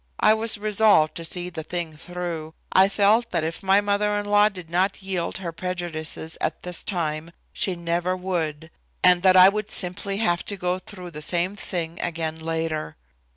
I was resolved to see the thing through. I felt that if my mother in law did not yield her prejudices at this time she never would, and that I would simply have to go through the same thing again later.